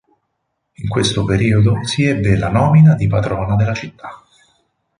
In questo periodo si ebbe la nomina di Patrona della città.